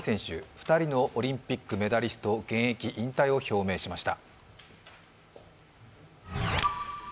２人のオリンピックメダリスト、現役引退を表明しました。